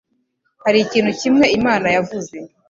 Hari ikintu kimwe Imana yavuze